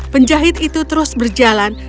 penjahit itu terus berjalan